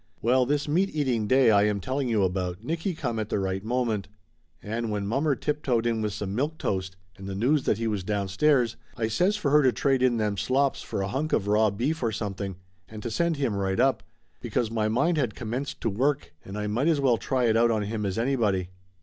Well, this meat eating day I am telling you about, Nicky come at the right moment. And when mommer tiptoed in with some milk toast and the news that he was downstairs I says for her to trade in them slops for a hunk of raw beef or something and to send him right up, because my mind had commenced to work, and I might as well try it out on him as anybody.